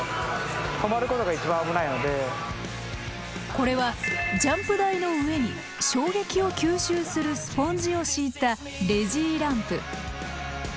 これはジャンプ台の上に衝撃を吸収するスポンジを敷いたレジーランプ。